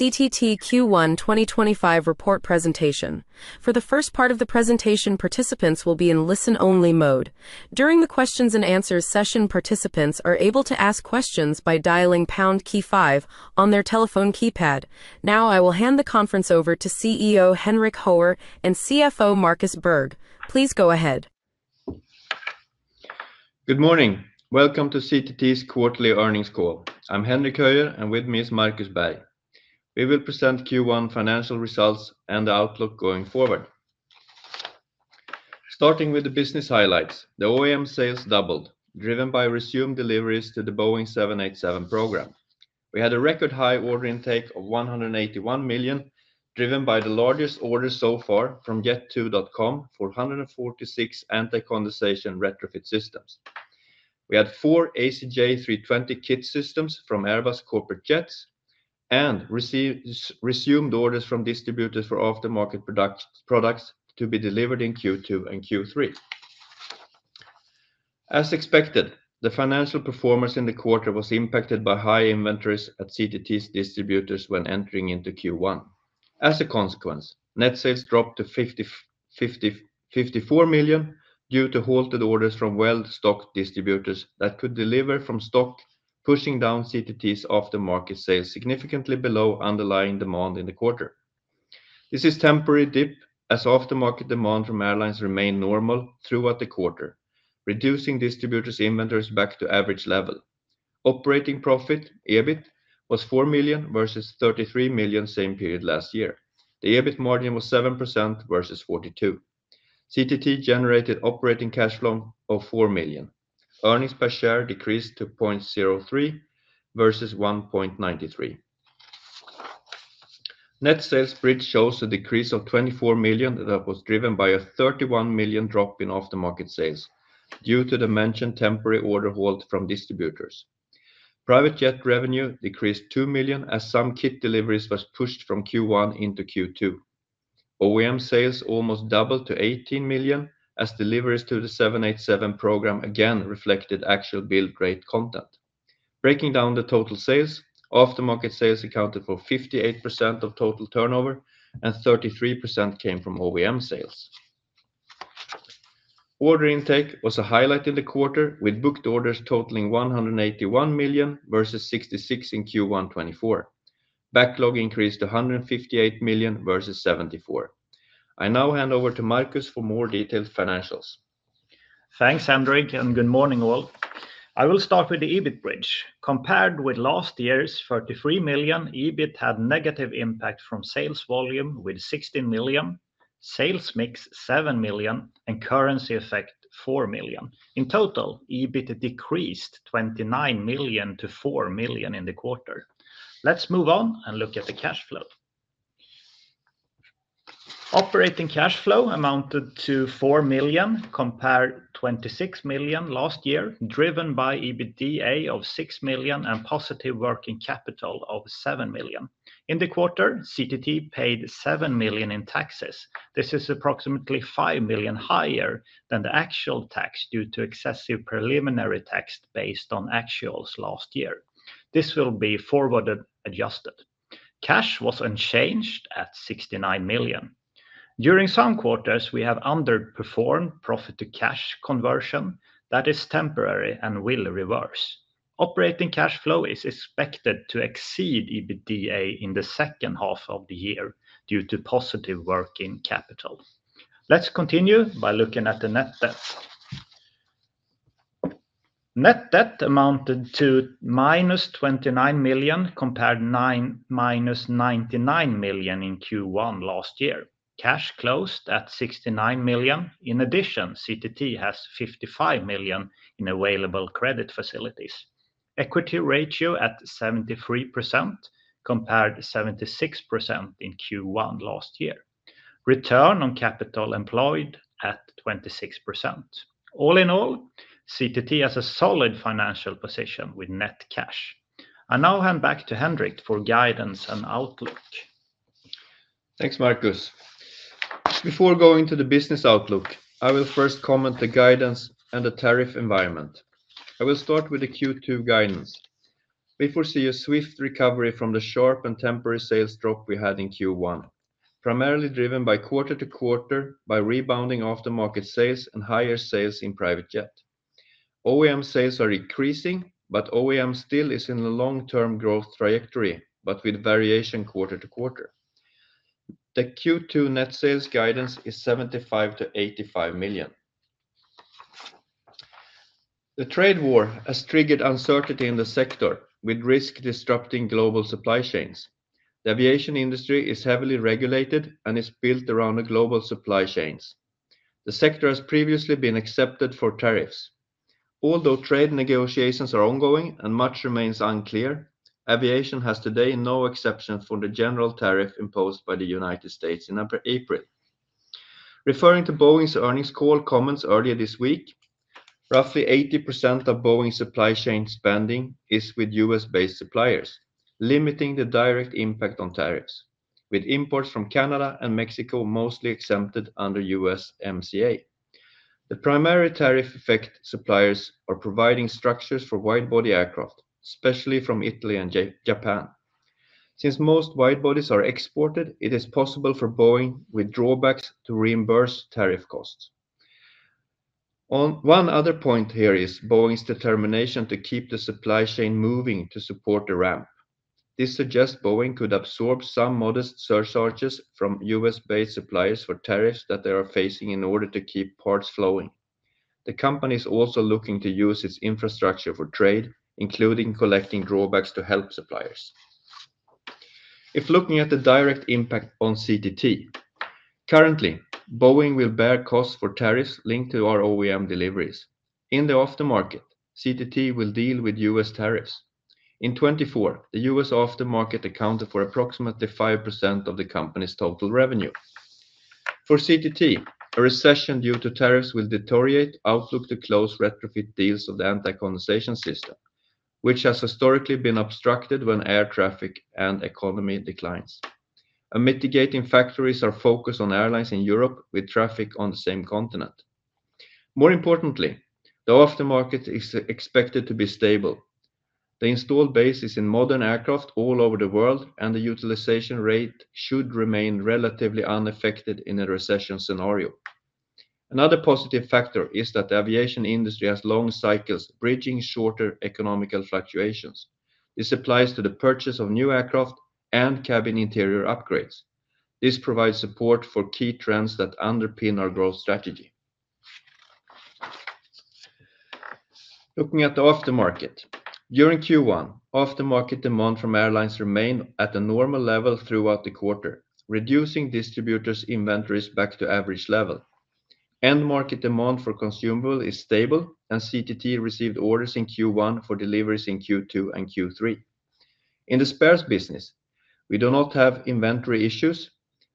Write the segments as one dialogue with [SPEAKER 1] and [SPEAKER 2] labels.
[SPEAKER 1] CTT Q1 2025 report presentation. For the first part of the presentation, participants will be in listen-only mode. During the Q&A session, participants are able to ask questions by dialing pound key five on their telephone keypad. Now, I will hand the conference over to CEO Henrik Höjer and CFO Markus Berg, please go ahead.
[SPEAKER 2] Good morning, welcome to CTT's Quarterly Earnings Call. I'm Henrik Höjer, and with me is Markus Berg, who will present Q1 financial results and outlook going forward. Starting with the business highlights: the OEM sales doubled, driven by resumed deliveries to the Boeing 787 program. We had a record-high order intake of 181 million, driven by the largest order so far from Jet2.com for 146 anti-condensation retrofit systems. We had four ACJ 320 kit systems from Airbus Corporate Jets and resumed orders from distributors for aftermarket products to be delivered in Q2 and Q3. As expected, the financial performance in the quarter was impacted by high inventories at CTT's distributors when entering into Q1. As a consequence, net sales dropped to 54 million due to halted orders from well-stocked distributors that could deliver from stock, pushing down CTT's aftermarket sales significantly below underlying demand in the quarter. This is a temporary dip, as aftermarket demand from airlines remained normal throughout the quarter, reducing distributors' inventories back to average level. Operating profit (EBIT) was 4 million versus 33 million same period last year. The EBIT margin was 7% versus 42%. CTT generated operating cash flow of 4 million. Earnings per share decreased to 0.03 versus 1.93. Net sales bridge shows a decrease of 24 million that was driven by a 31 million drop in aftermarket sales due to the mentioned temporary order halt from distributors. Private jet revenue decreased 2 million as some kit deliveries were pushed from Q1 into Q2. OEM sales almost doubled to 18 million, as deliveries to the 787 program again reflected actual build rate content. Breaking down the total sales, aftermarket sales accounted for 58% of total turnover, and 33% came from OEM sales. Order intake was a highlight in the quarter, with booked orders totaling 181 million versus 66 million in Q1 2024. Backlog increased to 158 million versus 74 million. I now hand over to Markus for more detailed financials.
[SPEAKER 3] Thanks, Henrik, and good morning all. I will start with the EBIT bridge. Compared with last year's 33 million, EBIT had a negative impact from sales volume with 16 million, sales mix 7 million, and currency effect 4 million. In total, EBIT decreased 29 million to 4 million in the quarter. Let's move on and look at the cash flow. Operating cash flow amounted to 4 million, compared to 26 million last year, driven by EBITDA of 6 million and positive working capital of 7 million. In the quarter, CTT paid 7 million in taxes. This is approximately 5 million higher than the actual tax due to excessive preliminary tax based on actuals last year. This will be forward adjusted. Cash was unchanged at 69 million. During some quarters, we have underperformed profit to cash conversion that is temporary and will reverse. Operating cash flow is expected to exceed EBITDA in the second half of the year due to positive working capital. Let's continue by looking at the net debt. Net debt amounted to -29 million compared to -99 million in Q1 last year. Cash closed at 69 million. In addition, CTT has 55 million in available credit facilities. Equity ratio at 73% compared to 76% in Q1 last year. Return on capital employed at 26%. All in all, CTT has a solid financial position with net cash. I now hand back to Henrik for guidance and outlook.
[SPEAKER 2] Thanks, Markus. Before going to the business outlook, I will first comment on the guidance and the tariff environment. I will start with the Q2 guidance. We foresee a swift recovery from the sharp and temporary sales drop we had in Q1, primarily driven quarter to quarter by rebounding aftermarket sales and higher sales in private jet. OEM sales are increasing, but OEM still is in a long-term growth trajectory, but with variation quarter to quarter. The Q2 net sales guidance is 75 million-85 million. The trade war has triggered uncertainty in the sector, with risk disrupting global supply chains. The aviation industry is heavily regulated and is built around the global supply chains. The sector has previously been accepted for tariffs. Although trade negotiations are ongoing and much remains unclear, aviation has today no exception from the general tariff imposed by the United States in April. Referring to Boeing's earnings call comments earlier this week, roughly 80% of Boeing's supply chain spending is with U.S.-based suppliers, limiting the direct impact on tariffs, with imports from Canada and Mexico mostly exempted under USMCA. The primary tariff effect suppliers are providing structures for widebody aircraft, especially from Italy and Japan. Since most widebodies are exported, it is possible for Boeing, with drawbacks, to reimburse tariff costs. One other point here is Boeing's determination to keep the supply chain moving to support the ramp. This suggests Boeing could absorb some modest surcharges from U.S.-based suppliers for tariffs that they are facing in order to keep parts flowing. The company is also looking to use its infrastructure for trade, including collecting drawbacks to help suppliers. If looking at the direct impact on CTT, currently, Boeing will bear costs for tariffs linked to our OEM deliveries. In the aftermarket, CTT will deal with U.S. tariffs. In 2024, the U.S. aftermarket accounted for approximately 5% of the company's total revenue. For CTT, a recession due to tariffs will deteriorate outlook to close retrofit deals of the anti-condensation system, which has historically been obstructed when air traffic and economy declines. A mitigating factor is our focus on airlines in Europe with traffic on the same continent. More importantly, the aftermarket is expected to be stable. The installed base is in modern aircraft all over the world, and the utilization rate should remain relatively unaffected in a recession scenario. Another positive factor is that the aviation industry has long cycles, bridging shorter economical fluctuations. This applies to the purchase of new aircraft and cabin interior upgrades. This provides support for key trends that underpin our growth strategy. Looking at the aftermarket, during Q1, aftermarket demand from airlines remained at a normal level throughout the quarter, reducing distributors' inventories back to average level. End-market demand for consumables is stable, and CTT received orders in Q1 for deliveries in Q2 and Q3. In the spares business, we do not have inventory issues,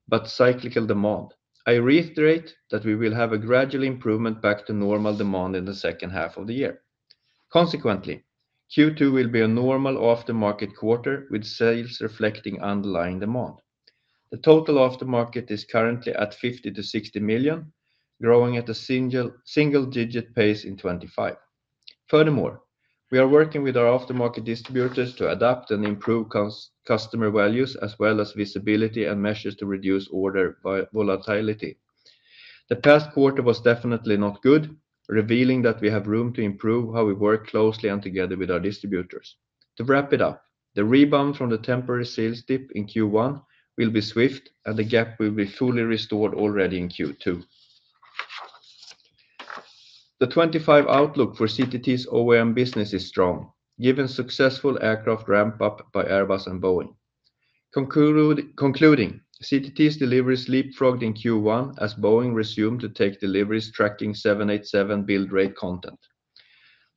[SPEAKER 2] but cyclical demand. I reiterate that we will have a gradual improvement back to normal demand in the second half of the year. Consequently, Q2 will be a normal aftermarket quarter, with sales reflecting underlying demand. The total aftermarket is currently at 50 million-60 million, growing at a single-digit pace in 2025. Furthermore, we are working with our aftermarket distributors to adapt and improve customer values, as well as visibility and measures to reduce order volatility. The past quarter was definitely not good, revealing that we have room to improve how we work closely and together with our distributors. To wrap it up, the rebound from the temporary sales dip in Q1 will be swift, and the gap will be fully restored already in Q2. The 2025 outlook for CTT's OEM business is strong, given successful aircraft ramp-up by Airbus and Boeing. Concluding, CTT's deliveries leapfrogged in Q1, as Boeing resumed to take deliveries tracking 787 build rate content.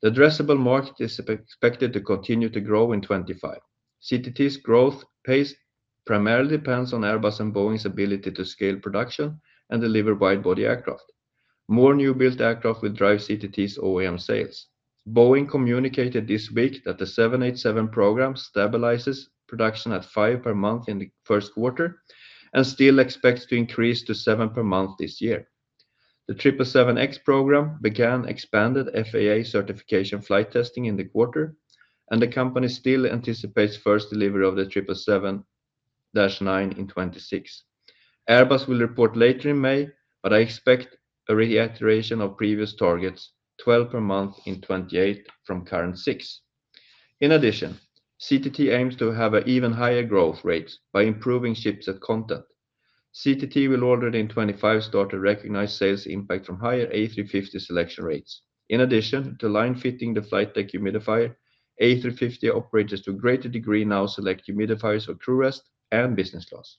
[SPEAKER 2] The addressable market is expected to continue to grow in 2025. CTT's growth pace primarily depends on Airbus and Boeing's ability to scale production and deliver widebody aircraft. More new-built aircraft will drive CTT's OEM sales. Boeing communicated this week that the 787 program stabilizes production at five per month in the first quarter and still expects to increase to seven per month this year. The 777X program began expanded FAA certification flight testing in the quarter, and the company still anticipates first delivery of the 777-9 in 2026. Airbus will report later in May, but I expect a reiteration of previous targets, 12 per month in 2028 from current six. In addition, CTT aims to have an even higher growth rate by improving shipset content. CTT will order in 2025 start to recognize sales impact from higher A350 selection rates. In addition to line-fitting the flight deck humidifier, A350 operators to a greater degree now select humidifiers for crew rest and business class.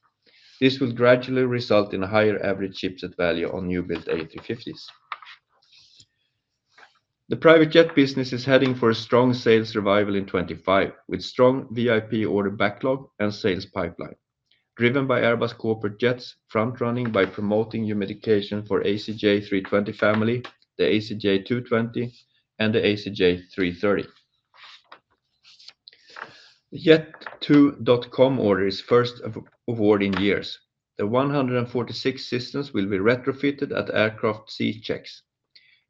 [SPEAKER 2] This will gradually result in a higher average shipset value on new-built A350s. The private jet business is heading for a strong sales revival in 2025, with strong VIP order backlog and sales pipeline, driven by Airbus Corporate Jets front-running by promoting humidification for ACJ 320 family, the ACJ 220, and the ACJ 330. Jet2.com order is first of a kind in years. The 146 systems will be retrofitted at aircraft C-checks.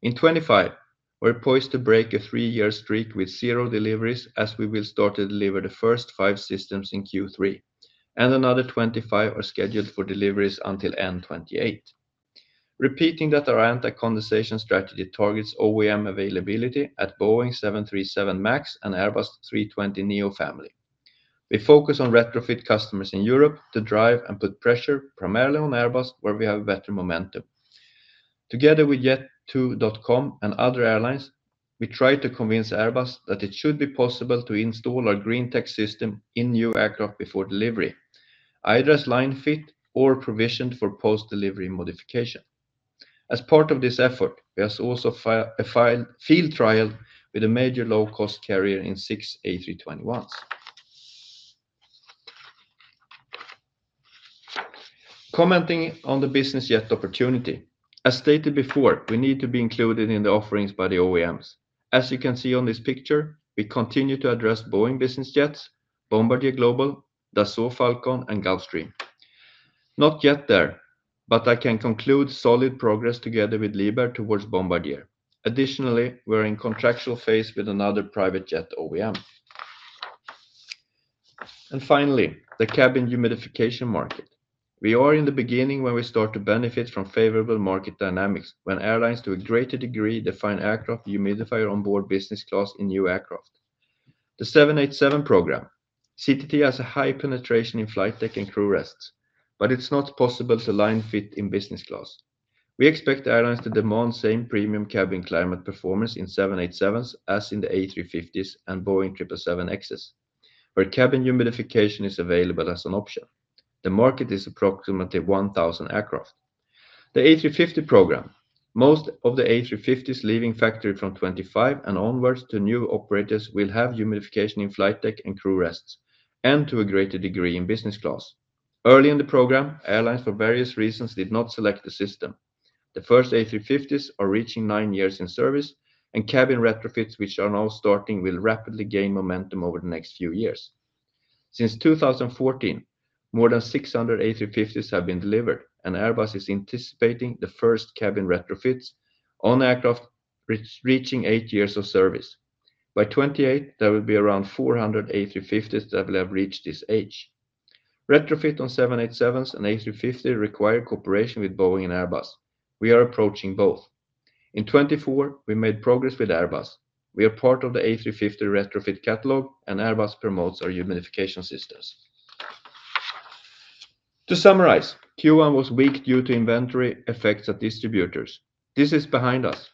[SPEAKER 2] In 2025, we're poised to break a three-year streak with zero deliveries as we will start to deliver the first five systems in Q3, and another 25 are scheduled for deliveries until end 2028. Repeating that our anti-condensation strategy targets OEM availability at Boeing 737 MAX and Airbus 320neo family. We focus on retrofit customers in Europe to drive and put pressure primarily on Airbus, where we have better momentum. Together with Jet2.com and other airlines, we try to convince Airbus that it should be possible to install our green tech system in new aircraft before delivery, either as line-fit or provisioned for post-delivery modification. As part of this effort, we have also a field trial with a major low-cost carrier in six A321s. Commenting on the business jet opportunity, as stated before, we need to be included in the offerings by the OEMs. As you can see on this picture, we continue to address Boeing Business Jets, Bombardier Global, Dassault Falcon, and Gulfstream. Not yet there, but I can conclude solid progress together with Liebherr towards Bombardier. Additionally, we're in contractual phase with another private jet OEM. Finally, the cabin humidification market. We are in the beginning when we start to benefit from favorable market dynamics, when airlines to a greater degree define aircraft humidifier onboard business class in new aircraft. The 787 program, CTT has a high penetration in flight deck and crew rests, but it's not possible to line-fit in business class. We expect airlines to demand same premium cabin climate performance in 787s as in the A350s and Boeing 777Xs, where cabin humidification is available as an option. The market is approximately 1,000 aircraft. The A350 program, most of the A350s leaving factory from 2025 and onwards to new operators will have humidification in flight deck and crew rests, and to a greater degree in business class. Early in the program, airlines for various reasons did not select the system. The first A350s are reaching nine years in service, and cabin retrofits, which are now starting, will rapidly gain momentum over the next few years. Since 2014, more than 600 A350s have been delivered, and Airbus is anticipating the first cabin retrofits on aircraft reaching eight years of service. By 2028, there will be around 400 A350s that will have reached this age. Retrofit on 787s and A350 require cooperation with Boeing and Airbus. We are approaching both. In 2024, we made progress with Airbus. We are part of the A350 retrofit catalog, and Airbus promotes our humidification systems. To summarize, Q1 was weak due to inventory effects at distributors. This is behind us.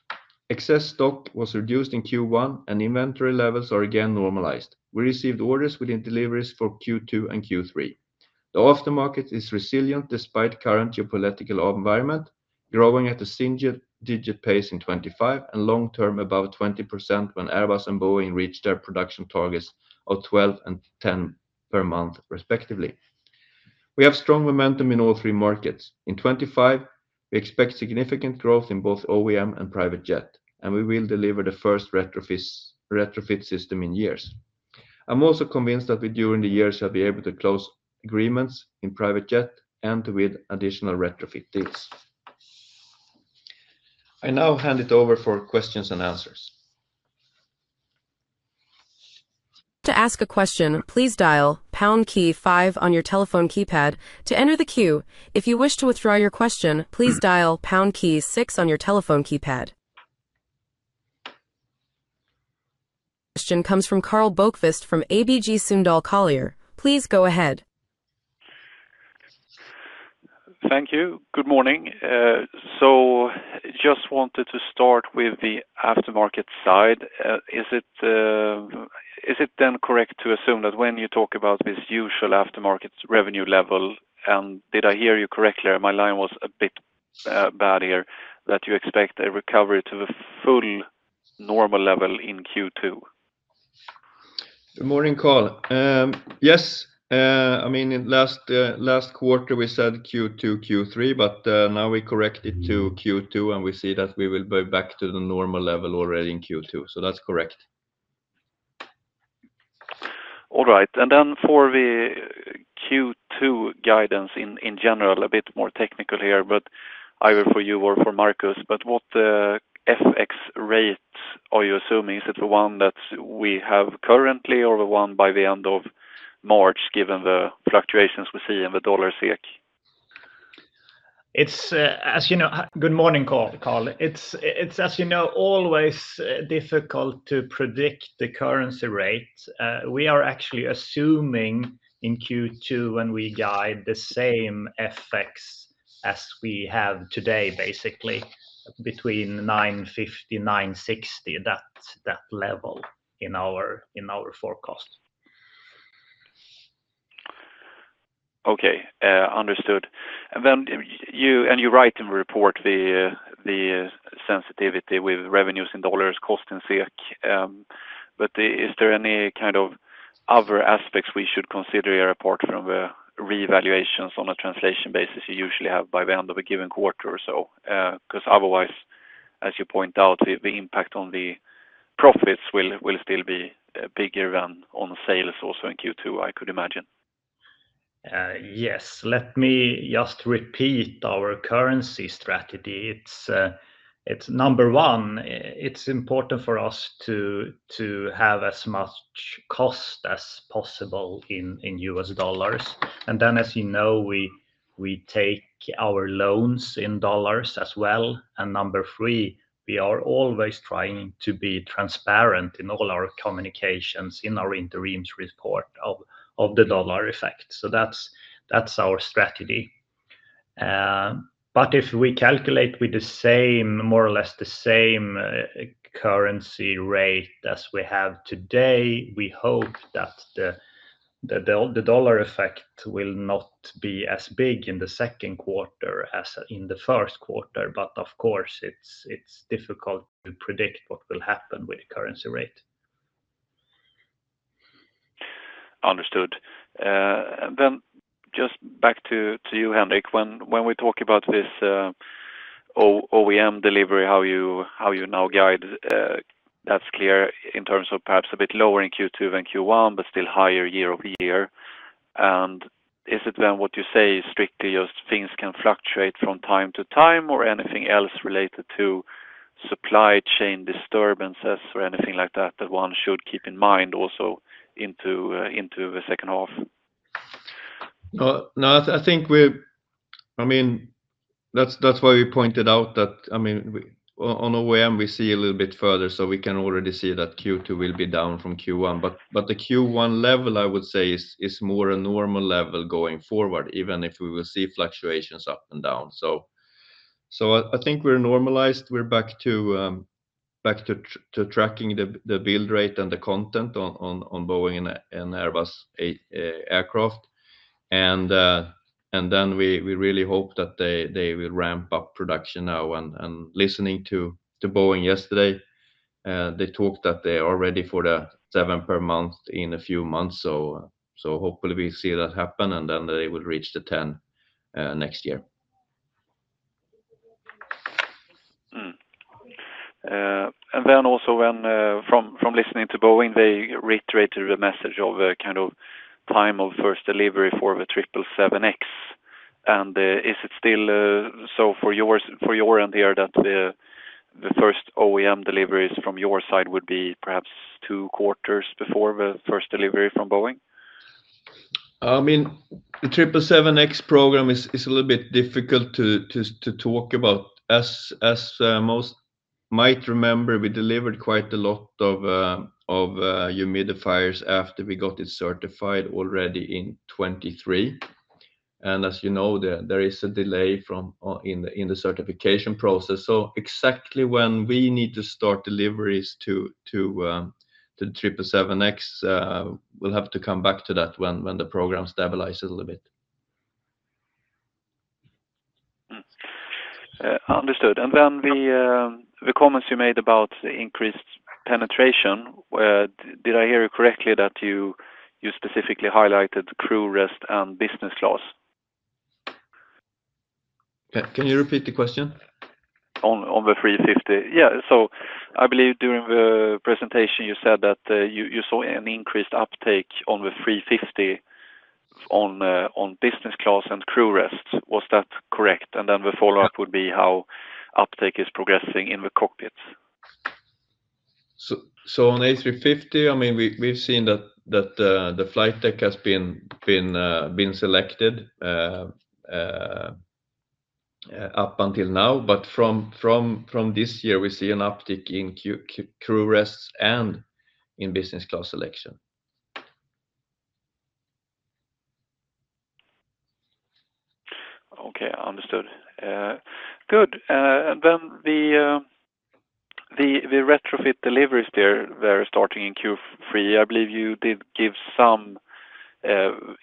[SPEAKER 2] Excess stock was reduced in Q1, and inventory levels are again normalized. We received orders within deliveries for Q2 and Q3. The aftermarket is resilient despite current geopolitical environment, growing at a single-digit pace in 2025 and long-term above 20% when Airbus and Boeing reach their production targets of 12 and 10 per month, respectively. We have strong momentum in all three markets. In 2025, we expect significant growth in both OEM and private jet, and we will deliver the first retrofit system in years. I'm also convinced that we during the years will be able to close agreements in private jet and with additional retrofit deals. I now hand it over for questions and answers.
[SPEAKER 1] To ask a question, please dial pound key five on your telephone keypad to enter the queue. If you wish to withdraw your question, please dial pound key six on your telephone keypad. Question comes from Karl Bokvist from ABG Sundal Collier. Please go ahead.
[SPEAKER 4] Thank you. Good morning. I just wanted to start with the aftermarket side. Is it then correct to assume that when you talk about this usual aftermarket revenue level, and did I hear you correctly or my line was a bit bad here, that you expect a recovery to the full normal level in Q2?
[SPEAKER 2] Good morning, Karl. Yes. I mean, last quarter we said Q2, Q3, but now we corrected to Q2, and we see that we will be back to the normal level already in Q2. So that's correct.
[SPEAKER 4] All right. For the Q2 guidance in general, a bit more technical here, but either for you or for Markus, what FX rates are you assuming? Is it the one that we have currently or the one by the end of March, given the fluctuations we see in the dollar/SEK?
[SPEAKER 3] As you know. Good morning, Karl. As you know, always difficult to predict the currency rate. We are actually assuming in Q2 when we guide the same FX as we have today, basically, between 9.50-9.60, that level in our forecast.
[SPEAKER 4] Okay. Understood. You write in the report the sensitivity with revenues in dollars, cost in SEK. Is there any kind of other aspects we should consider apart from the revaluations on a translation basis you usually have by the end of a given quarter or so? Because otherwise, as you point out, the impact on the profits will still be bigger than on sales also in Q2, I could imagine.
[SPEAKER 2] Yes. Let me just repeat our currency strategy. Number one, it's important for us to have as much cost as possible in US dollars. Then, as you know, we take our loans in dollars as well. Number three, we are always trying to be transparent in all our communications in our interim report of the dollar effect. That's our strategy. If we calculate with more or less the same currency rate as we have today, we hope that the dollar effect will not be as big in the second quarter as in the first quarter. Of course, it's difficult to predict what will happen with the currency rate.
[SPEAKER 4] Understood. Just back to you, Henrik, when we talk about this OEM delivery, how you now guide. That's clear in terms of perhaps a bit lower in Q2 than Q1, but still higher year over year. Is it then what you say is strictly just things can fluctuate from time to time or anything else related to supply chain disturbances or anything like that that one should keep in mind also into the second half?
[SPEAKER 2] No, I think we're, I mean, that's why we pointed out that, I mean, on OEM, we see a little bit further, so we can already see that Q2 will be down from Q1. The Q1 level, I would say, is more a normal level going forward, even if we will see fluctuations up and down. I think we're normalized. We're back to tracking the build rate and the content on Boeing and Airbus aircraft. We really hope that they will ramp up production now. Listening to Boeing yesterday, they talked that they are ready for the 7 per month in a few months. Hopefully we see that happen, and they will reach the 10 next year.
[SPEAKER 4] Also, from listening to Boeing, they reiterated the message of kind of time of first delivery for the 777X. Is it still so for your end here that the first OEM deliveries from your side would be perhaps two quarters before the first delivery from Boeing?
[SPEAKER 2] I man, the 777X program is a little bit difficult to talk about. As most might remember, we delivered quite a lot of humidifiers after we got it certified already in 2023. And as you know, there is a delay in the certification process. So exactly when we need to start deliveries to the 777X, we'll have to come back to that when the program stabilizes a little bit.
[SPEAKER 4] Understood. The comments you made about increased penetration, did I hear you correctly that you specifically highlighted crew rest and business class?
[SPEAKER 2] Can you repeat the question?
[SPEAKER 4] On the 350. Yeah. I believe during the presentation, you said that you saw an increased uptake on the 350 on business class and crew rest. Was that correct? The follow-up would be how uptake is progressing in the cockpits.
[SPEAKER 2] On A350, I mean, we've seen that the flight deck has been selected up until now. But from this year, we see an uptake in crew rest and in business class selection.
[SPEAKER 4] Okay. Understood. Good. The retrofit deliveries there starting in Q3, I believe you did give some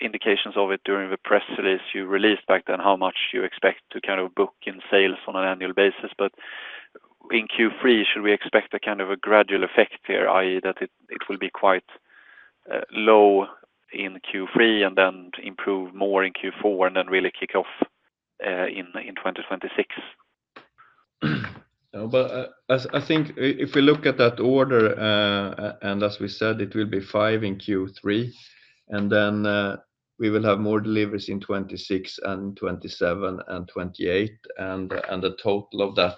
[SPEAKER 4] indications of it during the press release you released back then how much you expect to kind of book in sales on an annual basis. In Q3, should we expect a kind of a gradual effect here, i.e., that it will be quite low in Q3 and then improve more in Q4 and then really kick off in 2026?
[SPEAKER 2] I think if we look at that order, and as we said, it will be five in Q3. We will have more deliveries in 2026 and 2027 and 2028. The total of that,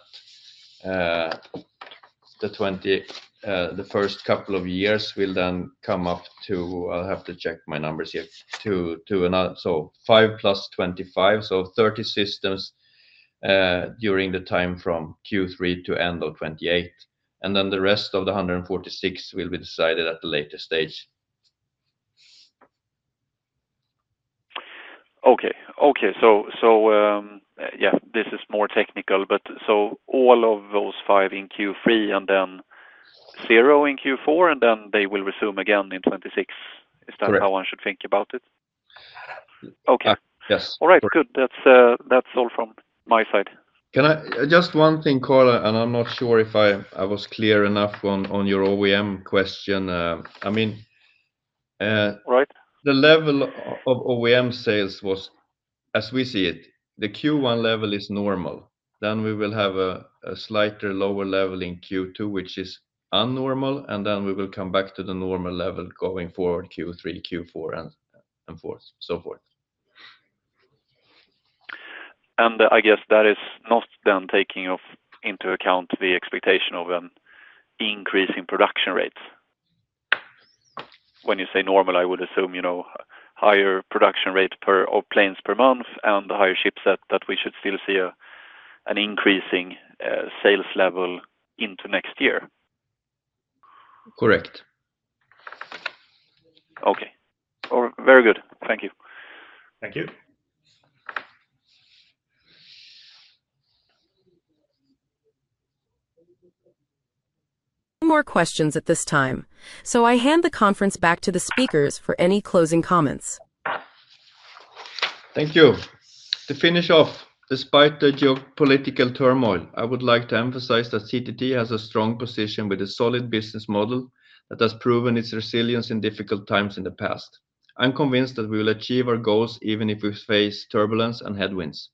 [SPEAKER 2] the first couple of years will then come up to, I'll have to check my numbers here, to five plus 25, so 30 systems during the time from Q3 to end of 2028. The rest of the 146 will be decided at a later stage.
[SPEAKER 4] Okay. Okay. Yeah, this is more technical. All of those five in Q3 and then zero in Q4, and then they will resume again in 2026. Is that how one should think about it?
[SPEAKER 2] Yes.
[SPEAKER 4] Okay. All right. Good. That's all from my side.
[SPEAKER 2] Just one thing, Karl. I'm not sure if I was clear enough on your OEM question. I mean, the level of OEM sales was, as we see it, the Q1 level is normal. We will have a slightly lower level in Q2, which is unnormal. We will come back to the normal level going forward Q3, Q4, and so forth.
[SPEAKER 4] I guess that is not then taking into account the expectation of an increase in production rates. When you say normal, I would assume higher production rates of planes per month and the higher shipset that we should still see an increasing sales level into next year.
[SPEAKER 2] Correct.
[SPEAKER 4] Okay. Very good. Thank you.
[SPEAKER 2] Thank you.
[SPEAKER 1] No more questions at this time. I hand the conference back to the speakers for any closing comments.
[SPEAKER 2] Thank you. To finish off, despite the geopolitical turmoil, I would like to emphasize that CTT has a strong position with a solid business model that has proven its resilience in difficult times in the past. I'm convinced that we will achieve our goals even if we face turbulence and headwinds.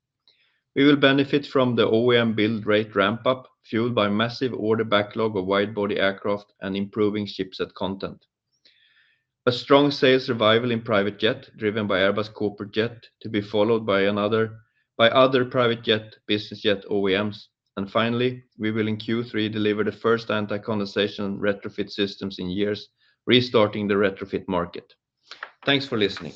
[SPEAKER 2] We will benefit from the OEM build rate ramp-up fueled by massive order backlog of widebody aircraft and improving shipset content. A strong sales survival in private jet driven by Airbus Corporate Jets to be followed by other private jet business jet OEMs. Finally, we will in Q3 deliver the first anti-condensation retrofit systems in years, restarting the retrofit market. Thanks for listening.